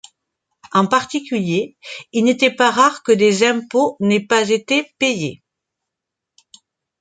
En particulier, il n’était pas rare que des impôts n’aient pas été payés.